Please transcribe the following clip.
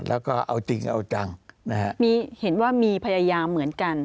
แล้วก็เอาจริงเอาจังนะฮะมีเห็นว่ามีพยายามเหมือนกัน